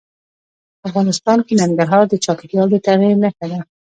افغانستان کې ننګرهار د چاپېریال د تغیر نښه ده.